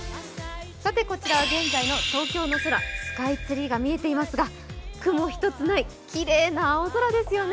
こちらは現在の東京の空スカイツリーが見えていますが雲一つないきれいな青空ですよね。